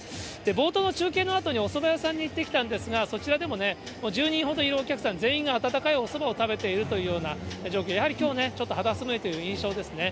冒頭の中継のあとに、おそば屋さんに行ってきたんですが、そちらでもね、１０人ほどいるお客さん全員が温かいおそばを食べているというような状況、やはりきょう、ちょっと肌寒いという印象ですね。